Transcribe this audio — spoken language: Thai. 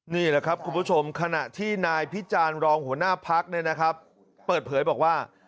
นี่แหละครับคุณผู้ชมขณะที่นายพิจารณ์รองหัวหน้าพักเปิดเผยบอกว่า